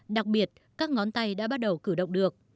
đặc biệt các ngón tay đã bắt đầu cử động được